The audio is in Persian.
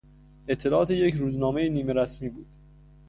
اطلاعات یک روزنامهی نیمه رسمی بود.